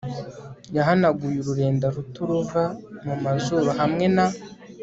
yahanaguye ururenda ruto ruva mu mazuru hamwe na